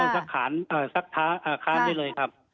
ต้องซักท้านได้เลยครับ